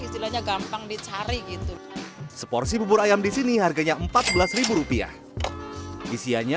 istilahnya gampang dicari gitu seporsi bubur ayam di sini harganya empat belas rupiah isiannya